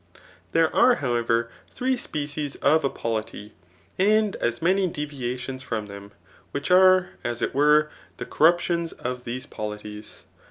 Thihb are^ howerer, three species of a polity, and as many deviations from them, which are, as it were^ tht ccyruptions of these polities.